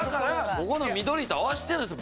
ここの緑と合わせてるんです。